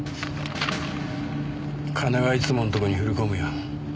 金はいつものとこに振り込むよ。